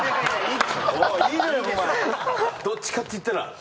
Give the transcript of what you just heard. どっちかって言ったら？